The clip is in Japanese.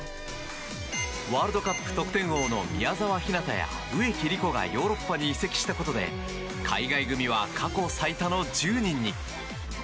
ワールドカップ得点王の宮澤ひなたや植木理子がヨーロッパに移籍したことで海外組は過去最多の１０人に。